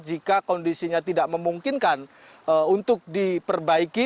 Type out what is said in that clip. jika kondisinya tidak memungkinkan untuk diperbaiki